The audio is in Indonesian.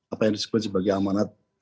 apa yang disebut sebagai amanat